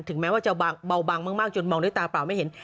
แม้ว่าจะเบาบางมากจนมองด้วยตาเปล่าไม่เห็น